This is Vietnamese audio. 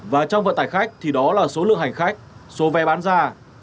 và trong vận tải khách thì đó là số lượng hành khách số vé bán ra